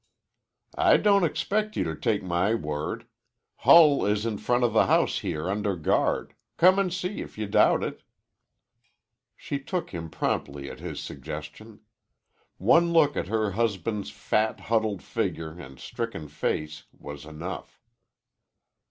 "I don't expect you to take my word. Hull is in front of the house here under guard. Come an' see if you doubt it." She took him promptly at his suggestion. One look at her husband's fat, huddled figure and stricken face was enough.